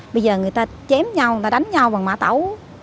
bây giờ người ta chém nhau người ta đánh nhau bằng mã tấu